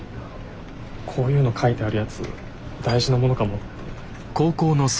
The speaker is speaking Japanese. こういうの書いてあるやつ大事なものかもって。